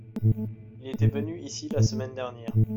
Il était venu ici la semaine dernière.